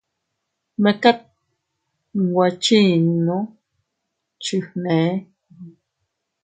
Mekat nwe chiinnu chifgnee.